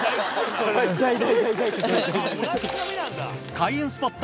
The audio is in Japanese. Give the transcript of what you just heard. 開運スポット